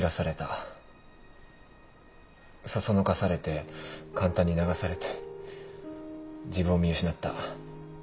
そそのかされて簡単に流されて自分を見失った。